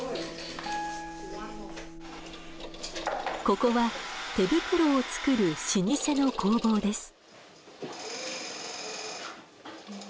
ここは手袋を作る老舗の工房です。